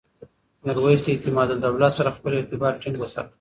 میرویس له اعتمادالدولة سره خپل ارتباط ټینګ وساته.